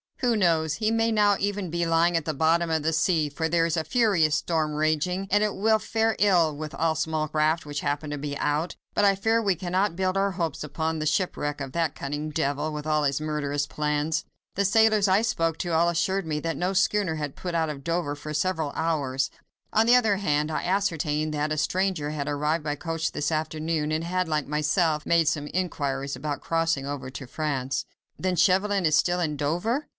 Who knows? He may now even be lying at the bottom of the sea, for there is a furious storm raging, and it will fare ill with all small craft which happen to be out. But I fear me we cannot build our hopes upon the shipwreck of that cunning devil, and of all his murderous plans. The sailors I spoke to, all assured me that no schooner had put out of Dover for several hours: on the other hand, I ascertained that a stranger had arrived by coach this afternoon, and had, like myself, made some inquiries about crossing over to France." "Then Chauvelin is still in Dover?"